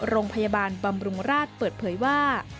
โรงพยาบาลบำรุงราชเปิดเผยว่า